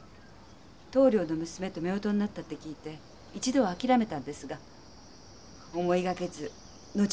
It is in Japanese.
棟梁の娘と夫婦になったって聞いて一度は諦めたんですが思いがけず後添いになって。